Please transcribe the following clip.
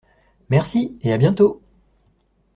Merci! Et à bientôt!